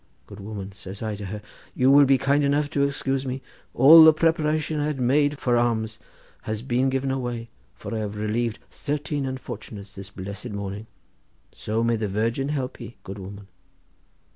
"'Good woman,' says I to her, 'you will be kind enough to excuse me: all the preparation I had made for alms has been given away, for I have relieved thirteen unfortunates this blessed morning—so may the Virgin help ye, good woman!